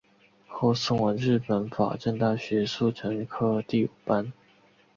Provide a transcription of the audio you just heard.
后送往日本法政大学速成科第五班。